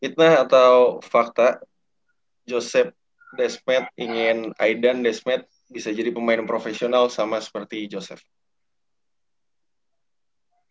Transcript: fitnah atau fakta joseph desmat ingin aidan desmat bisa jadi pemain profesional sama seperti joseph